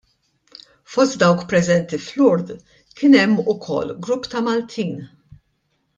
Fost dawk preżenti f'Lourdes kien hemm ukoll grupp ta' Maltin.